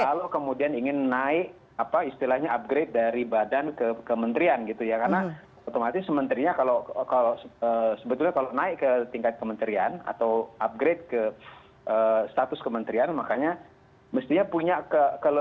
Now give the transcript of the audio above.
kalau kemudian ingin naik apa istilahnya upgrade dari badan ke kementerian gitu ya karena otomatis menterinya kalau sebetulnya kalau naik ke tingkat kementerian atau upgrade ke status kementerian makanya mestinya punya